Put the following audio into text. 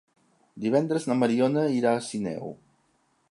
Divendres na Mariona irà a Sineu.